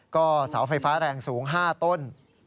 ก็เสาไฟฟ้าแรงสูง๕ต้น